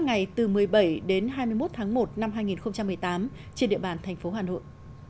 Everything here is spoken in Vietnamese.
ngày từ một mươi bảy đến hai mươi một tháng một năm hai nghìn một mươi tám trên địa bàn thành phố hà nội